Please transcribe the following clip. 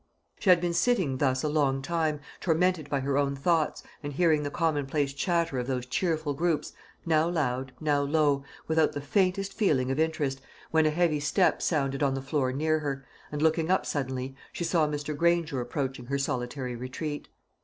She had been sitting thus a long time, tormented by her own thoughts, and hearing the commonplace chatter of those cheerful groups, now loud, now low, without the faintest feeling of interest, when a heavy step sounded on the floor near her, and looking up suddenly, she saw Mr. Granger approaching her solitary retreat.